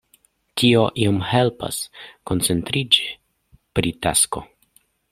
Tio iom helpas koncentriĝi pri tasko.